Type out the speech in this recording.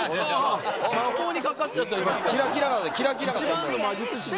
一番の魔術師だ。